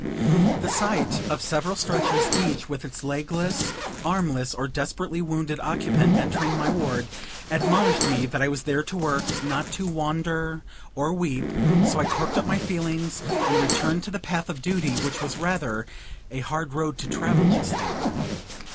The sight of several stretchers, each with its legless, armless, or desperately wounded occupant, entering my ward, admonished me that I was there to work, not to wonder or weep; so I corked up my feelings, and returned to the path of duty, which was rather "a hard road to travel" just then.